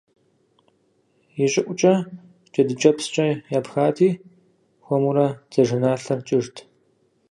Ищӏыӏукӏэ джэдыкӏэпскӏэ япхэти, хуэмурэ дзажэналъэр кӏыжт.